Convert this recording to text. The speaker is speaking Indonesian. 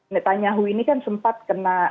netanyahu ini kan sempat kena